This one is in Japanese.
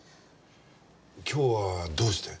今日はどうして？